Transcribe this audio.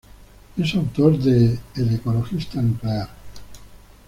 Es autor de "El ecologista nuclear.